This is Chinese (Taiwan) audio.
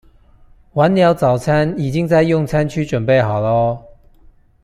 晚鳥早餐已經在用餐區準備好囉